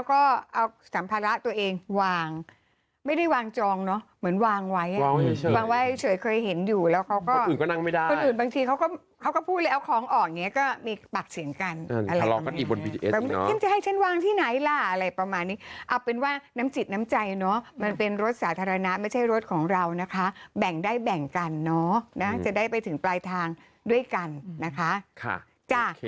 เขาก็พูดแล้วเอาของออกเนี่ยก็มีปากเสียงกันอะไรแบบนี้แบบนี้เข้มจะให้ฉันวางที่ไหนล่ะอะไรประมาณนี้อ่ะเป็นว่าน้ำจิตน้ำใจเนอะมันเป็นรถสาธารณะไม่ใช่รถของเรานะคะแบ่งได้แบ่งกันเนอะนะจะได้ไปถึงปลายทางด้วยกันนะคะค่ะจ้ะ